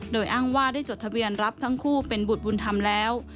โดยอ้างว่าได้จดทะเบียนรับทั้งคู่เป็นบุตรบุญธรรมแล้ว